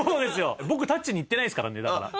僕タッチに行ってないですからねだから。